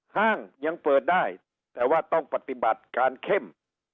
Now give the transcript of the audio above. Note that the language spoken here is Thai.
ห้างยังเปิดได้แต่ว่าต้องปฏิบัติการเข้ม